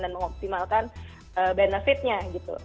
dan mengoptimalkan benefitnya gitu